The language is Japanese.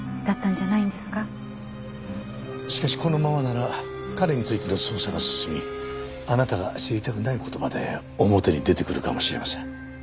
しかしこのままなら彼についての捜査が進みあなたが知りたくない事まで表に出てくるかもしれません。